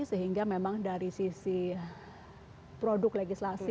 sehingga memang dari sisi produk legislasi